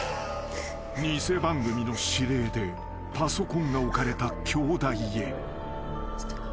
［偽番組の指令でパソコンが置かれた鏡台へ］